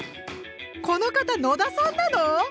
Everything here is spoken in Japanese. この方野田さんなの？